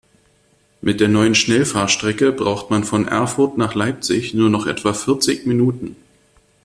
Mit der neuen Schnellfahrstrecke braucht man von Erfurt nach Leipzig nur noch etwa vierzig Minuten